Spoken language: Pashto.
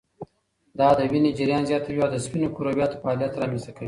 دا د وینې جریان زیاتوي او د سپینو کرویاتو فعالیت رامنځته کوي.